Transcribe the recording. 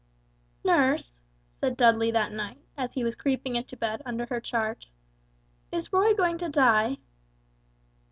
"Nurse," said Dudley that night as he was creeping into bed under her charge; "is Roy going to die?"